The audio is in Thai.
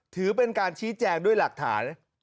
ถือเป็นการชี้แจงด้วยหลักฐาน